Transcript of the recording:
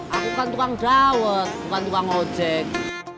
aku kan tukang dawet bukan tukang ojek